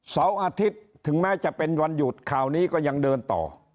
เสาร์อาทิตย์ถึงแม้จะเป็นวันหยุดข่าวนี้ก็ยังเดินต่อ